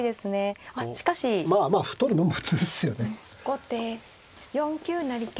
後手４九成桂。